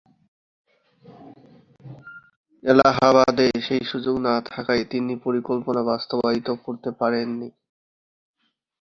এলাহাবাদে সেই সুযোগ না থাকায় তিনি পরিকল্পনা বাস্তবায়িত করতে পারেননি।